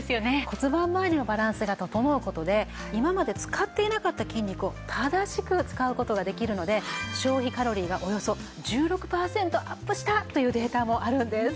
骨盤まわりのバランスが整う事で今まで使っていなかった筋肉を正しく使う事ができるので消費カロリーがおよそ１６パーセントアップしたというデータもあるんです。